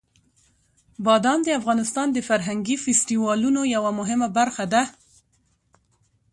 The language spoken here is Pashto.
بادام د افغانستان د فرهنګي فستیوالونو یوه مهمه برخه ده.